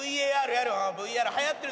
ＶＡＲはやってる。